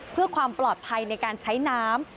เพื่อความปลอดภัยในการใช้น้ำ